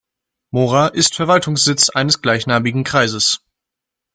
Mora ist Verwaltungssitz eines gleichnamigen Kreises.